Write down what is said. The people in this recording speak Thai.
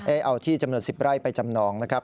เอาที่จำนวน๑๐ไร่ไปจำนองนะครับ